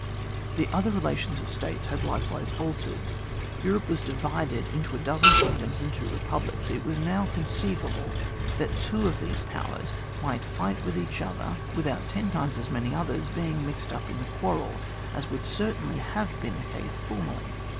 The other relations of States had like wise altered. Europe was divided into a dozen kingdoms and two republics ; it was now oonceivable that two of these powers might fight with each other with out ten times as many others being mixed up in the quarrel, as would cer tainly have been the case formerly.